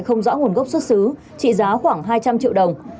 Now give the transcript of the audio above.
không rõ nguồn gốc xuất xứ trị giá khoảng hai trăm linh triệu đồng